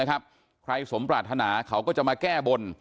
ใครสมปรารถนาเขาก็จะมาแก้บน